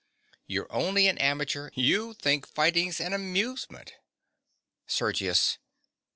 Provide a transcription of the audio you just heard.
You're only an amateur: you think fighting's an amusement. SERGIUS.